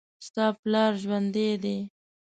ستا پلار ژوندي دي